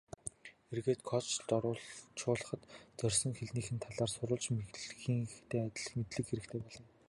Эргээд кодчилж орчуулахад зорьсон хэлнийх нь талаар сурвалж хэлнийхтэй адил мэдлэг хэрэгтэй болно.